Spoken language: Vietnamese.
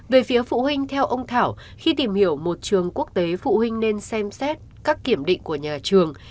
về phía phụ huynh theo ông thảo khi tìm hiểu một trường quốc tế phụ huynh nên xem xét các kiểm định của nhà trường